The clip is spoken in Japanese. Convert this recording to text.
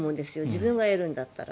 自分がやるんだったら。